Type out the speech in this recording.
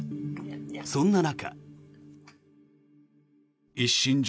そんな中。